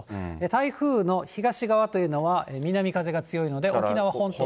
台風の東側というのは南風が強いので、沖縄本島。